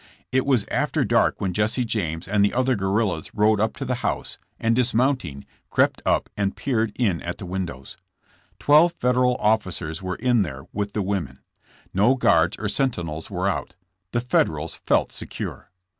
It was after dark when Jesse James and the other guerrillas rode up to the house, and dismounting, crept up and peered in at the windows. Twelve Federal officers were in there with the women. No guards or sentinels were out. The Federals felt secure.